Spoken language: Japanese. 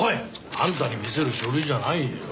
あんたに見せる書類じゃないよ。